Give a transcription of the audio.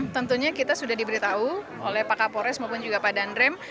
tentunya kita sudah diberitahu oleh pak kapolres maupun juga pak dandrem